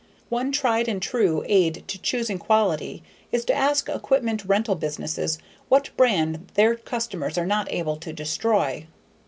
One tried and true aid to choosing quality is to ask equipment rental businesses what brand their customers are not able to destroy.